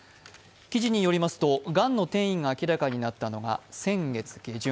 記事によりますと、がんの転移が明らかになったのが先月下旬。